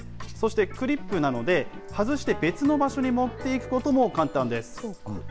そして、クリップなので、外して別の場所に持っていくことも簡単です。